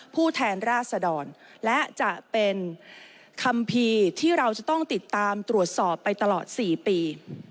ผู้แทนราษดรและจะเป็นคัมภีร์ที่เราจะต้องติดตามตรวจสอบไปตลอด๔ปี